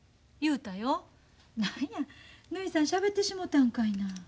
何やぬひさんしゃべってしもたんかいな。